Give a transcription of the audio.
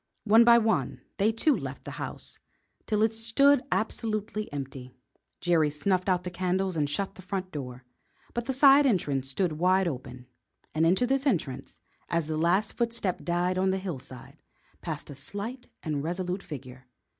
One by one they too left the house till it stood absolutely empty. Jerry snuffed out the candles and shut the front door, but the side entrance stood wide open, and into this entrance, as the last footstep died out on the hillside, passed a slight and resolute figure.